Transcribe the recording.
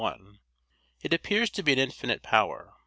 1), it appears to be an infinite power.